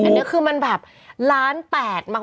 อันนี้คือมันแบบล้านแปดมาก